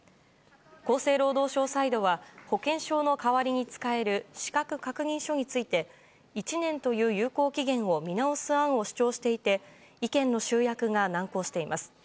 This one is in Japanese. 厚生労働省サイドは保険証の代わりに使える資格確認書について１年という有効期限を見直す案を主張していて意見の集約が難航しています。